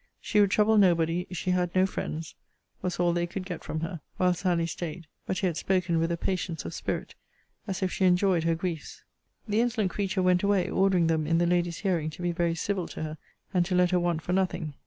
She would trouble nobody; she had no friends; was all they could get from her, while Sally staid: but yet spoken with a patience of spirit, as if she enjoyed her griefs. The insolent creature went away, ordering them, in the lady's hearing, to be very civil to her, and to let her want for nothing.